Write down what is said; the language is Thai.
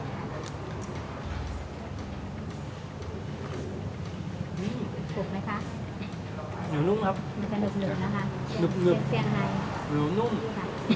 ถูกไหมคะ